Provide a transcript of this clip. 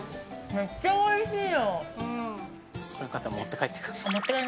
めっちゃおいしいじゃん。